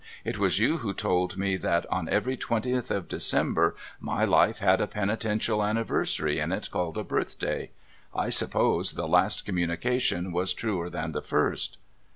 It was you who told me that on every twentieth of December my life had a penitential anniversary in it called a birthday. I suppose the last communica tion was truer than the first